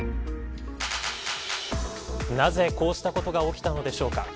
なぜ、こうしたことが起きたのでしょうか。